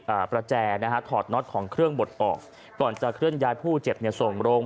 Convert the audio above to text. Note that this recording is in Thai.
ประแจนะฮะถอดน็อตของเครื่องบดออกก่อนจะเคลื่อนย้ายผู้เจ็บเนี่ยส่งโรง